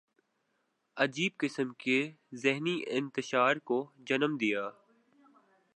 عجیب قسم کے ذہنی انتشار کو جنم دیا۔